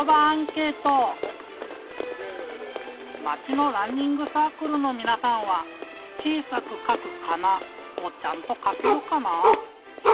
まちのランニングサークルのみなさんは「ちいさくかくかな」をちゃんとかけるかな？